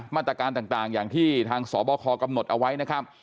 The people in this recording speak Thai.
มาตรการต่างอย่างที่ทางสบคกำหนดเอาไว้นะครับ